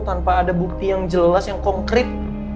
tanpa ada bukti yang jelas yang konkret